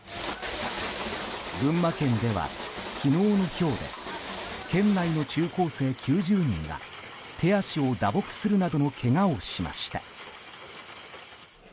群馬県では、昨日のひょうで県内の中高生９０人が手足を打撲するなどのけがをしました。